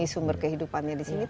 sumber kehidupannya di sini